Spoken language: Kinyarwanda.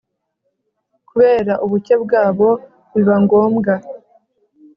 kubera ubuke bwabo, biba ngombwa